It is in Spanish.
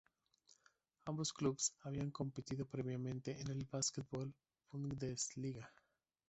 Ambos clubes habían competido previamente en la Basketball Bundesliga.